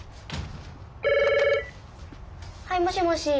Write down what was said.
はいもしもし。